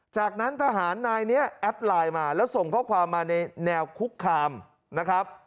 จากนั้นทหารนายนี้แอดไลน์มาแล้วส่งข้อความมาในแนวคุกคามนะครับ